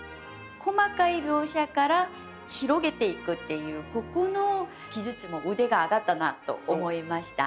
細かい描写から広げていくっていうここの技術も腕が上がったなと思いました。